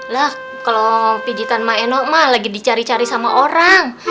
lah kalo pincetan maenok mah lagi dicari cari sama orang